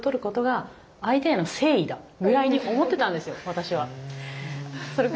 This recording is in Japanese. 私は。